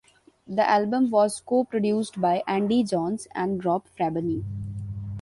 The album was co-produced by Andy Johns and Rob Fraboni.